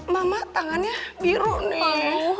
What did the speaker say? mama tangannya biru nih